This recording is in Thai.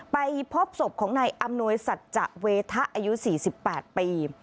ไปพบศพของนายอำนวยสัจจะเวทะอายุ๔๘ปี